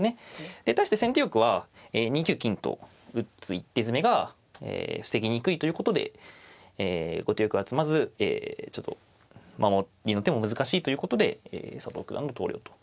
で対して先手玉は２九金と打つ一手詰めが防ぎにくいということで後手玉が詰まずちょっと守りの手も難しいということで佐藤九段の投了となりました。